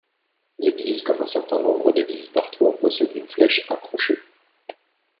L'église, comme un certain nombre d'églises d'Artois, possède une flèche à crochets.